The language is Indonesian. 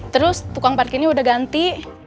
terus tukang parkirnya udah ganti